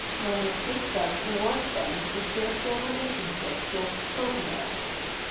when it takes up towards them the spiritual relationship just spoken of.